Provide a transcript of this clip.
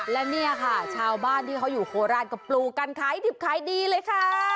และเนี่ยค่ะชาวบ้านที่เขาอยู่โคราชก็ปลูกกันขายดิบขายดีเลยค่ะ